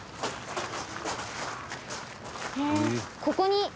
ここに。